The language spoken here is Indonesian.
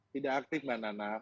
tidak aktif mbak nana